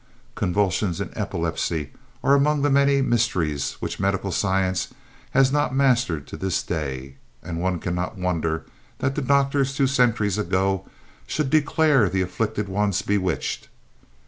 Convulsions and epilepsy are among the many mysteries which medical science has not mastered to this day, and one cannot wonder that the doctors two centuries ago should declare the afflicted ones bewitched.